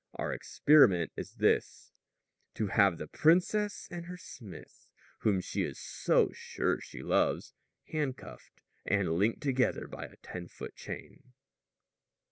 "Our experiment is this: "_To have the princess and her smith, whom she is so sure she loves, handcuffed and linked together by a ten foot chain.